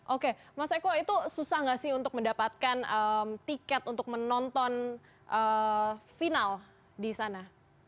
oke mas eko itu susah nggak sih untuk mendapatkan tiket untuk menonton final di sana